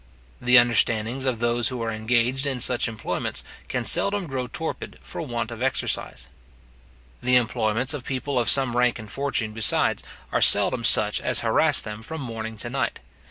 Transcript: The understandings of those who are engaged in such employments, can seldom grow torpid for want of exercise. The employments of people of some rank and fortune, besides, are seldom such as harass them from morning to night.